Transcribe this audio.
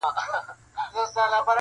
سل توپکه به په یو کتاب سودا کړو,